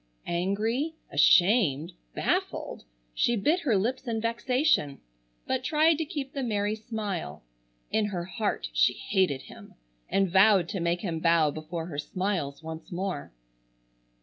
Angry, ashamed, baffled, she bit her lips in vexation, but tried to keep the merry smile. In her heart she hated him, and vowed to make him bow before her smiles once more.